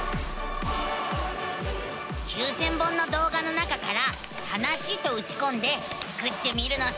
９，０００本の動画の中から「はなし」とうちこんでスクってみるのさ。